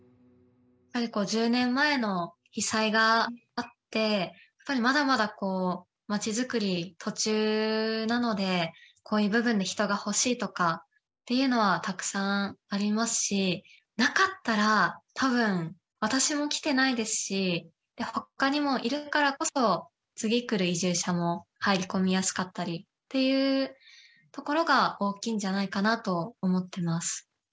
やっぱり１０年前の被災があってやっぱりまだまだまちづくり途中なのでこういう部分で人が欲しいとかっていうのはたくさんありますしなかったら多分私も来てないですしほかにもいるからこそ次来る移住者も入り込みやすかったりっていうところが大きいんじゃないかなと思ってます。